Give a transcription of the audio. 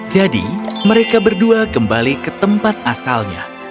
jadi mereka berdua kembali ke tempat asalnya